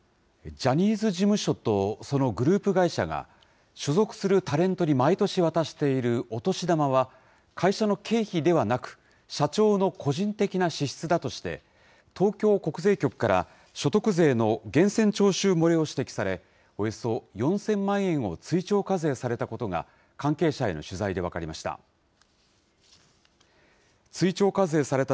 ジャニーズ事務所とそのグループ会社が、所属するタレントに毎年渡しているお年玉は、会社の経費ではなく、社長の個人的な支出だとして、東京国税局から所得税の源泉徴収漏れを指摘され、およそ４０００万円を追徴課税されたことが、関係者への取材で分かりました。